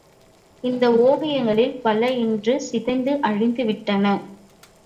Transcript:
இந்த ஓவியங்களில் பல இன்று சிதைந்து அழிந்து விட்டன.